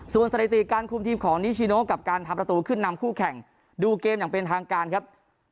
ส่วนสถิติการคุมทีมของนิชิโนกับการทำประตูขึ้นนำคู่แข่งดูเกมอย่างเป็นทางการครับ